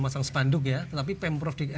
masang sepanduk ya tetapi pemprov di